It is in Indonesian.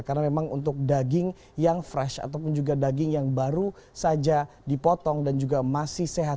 karena memang untuk daging yang fresh ataupun juga daging yang baru saja dipotong dan juga masih sehat